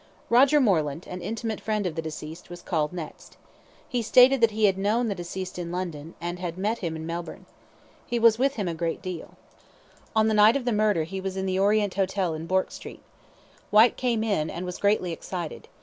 Roger Moreland, an intimate friend of the deceased, was next called. He stated that he had known the deceased in London, and had met him in Melbourne. He was with him a great deal. On the night of the murder he was in the Orient Hotel in Bourke Street. Whyte came in, and was greatly excited.